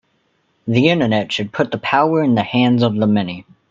The Internet should put the power in the hands of the many.